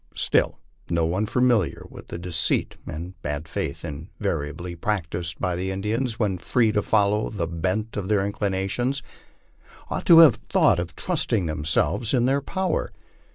Still, no one familiar with the deceit and bad faith invariably practised by the Indians when free to follow the bent of their inclinations, ought to have thought of trusting themselves in their power.